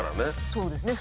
そうですね。